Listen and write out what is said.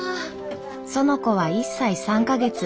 園子は１歳３か月。